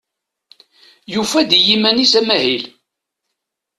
Yufa-d i yiman-is amahil.